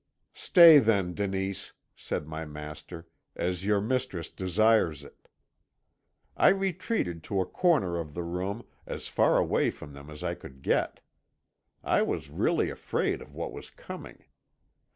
"'Stay, then, Denise,' said my master, 'as your mistress desires it.' "I retreated to a corner of the room, as far away from them as I could get. I was really afraid of what was coming.